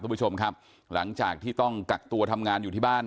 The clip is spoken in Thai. คุณผู้ชมครับหลังจากที่ต้องกักตัวทำงานอยู่ที่บ้าน